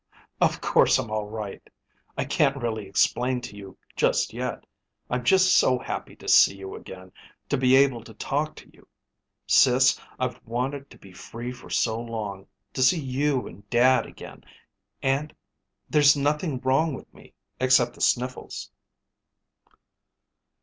"Of course I'm all right. I can't really explain to you just yet. I'm just so happy to see you again, to be able to talk to you. Sis, I've wanted to be free for so long, to see you and Dad again, and there's nothing wrong with me except the sniffles."